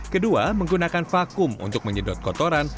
kedua menggunakan vakum untuk menyedot kotoran